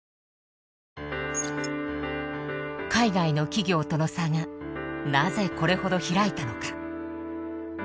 海外の企業との差がなぜこれほど開いたのか。